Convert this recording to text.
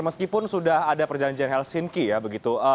meskipun sudah ada perjanjian helsinki ya begitu